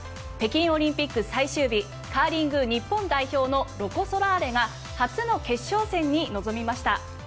北京オリンピック最終日カーリング日本代表のロコ・ソラーレが初の決勝戦に臨みました。